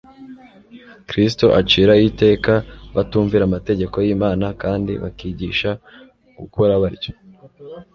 Kristo aciraho iteka abatumvira amategeko y'Imana kandi bakigisha gukora batyo.